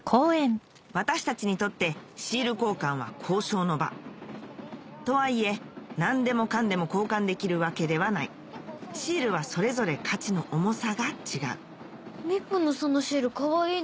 私たちにとってシール交換は交渉の場とはいえ何でもかんでも交換できるわけではないシールはそれぞれ価値の重さが違うみーぽんのそのシールかわいいね。